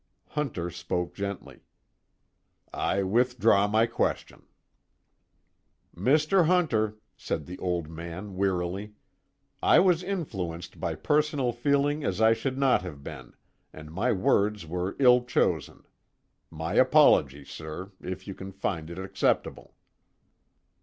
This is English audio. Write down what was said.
Hunter spoke gently: "I withdraw my question." "Mr. Hunter," said the Old Man wearily, "I was influenced by personal feeling as I should not have been, and my words were ill chosen. My apology, sir, if you can find it acceptable."